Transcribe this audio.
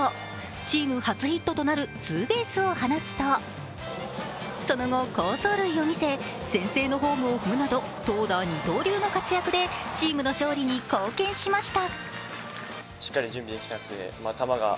チーム初ヒットとなるツーベースを放つとその後、好走塁を見せ、先制のホームを踏むなど投打二刀流の活躍でチームの勝利に貢献しました。